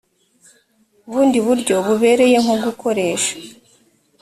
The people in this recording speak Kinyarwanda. bundi buryo bubereye nko gukoresha